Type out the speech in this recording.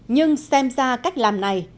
nhưng xem ra cách làm này